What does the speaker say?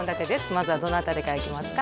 まずはどの辺りからいきますか？